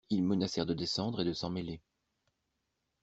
Ils menacèrent de descendre et de s'en mêler.